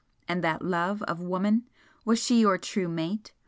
And that love of woman? was she your true mate?